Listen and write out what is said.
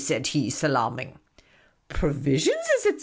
says he, salaaming. ' Provisions, is it